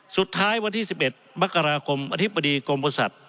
สุดท้ายวันที่๑๑มกราคมอธิบดีกรมบุษัตริย์